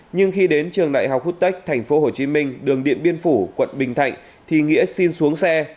nhưng khi đến trường đại học khuất tech tp hcm đường điện biên phủ quận bình thạnh thì nghĩa xin xuống xe